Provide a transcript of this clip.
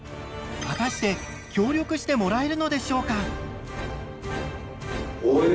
果たして協力してもらえるのでしょうか？